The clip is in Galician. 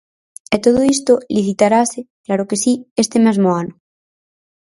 E todo isto licitarase -claro que si- este mesmo ano.